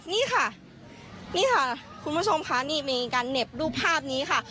นี่ค่ะนี่ค่ะคุณผู้ชมค่ะนี่มีการเหน็บดูภาพนี้ค่ะ